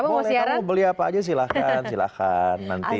boleh kamu beli apa aja silahkan silahkan nanti